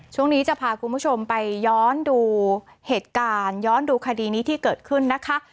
ช่วงนี้จะพาคุณผู้ชมไปย้อนดูเหตุการณ์ย้อนดูคดีนี้ที่เกิดขึ้นนะคะ